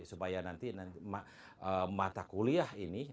supaya nanti mata kuliah ini